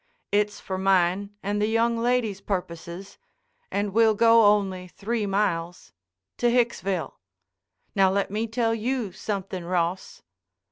"It's for mine and the young lady's purposes, and we'll go only three miles—to Hicksville. Now let me tell you somethin', Ross."